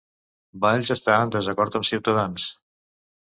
Valls està en desacord amb Ciutadans